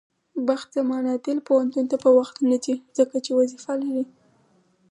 بخت زمان عادل پوهنتون ته په وخت نځي، ځکه چې وظيفه لري.